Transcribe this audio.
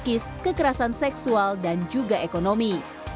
kekerasan psikis kekerasan seksual dan juga ekonomi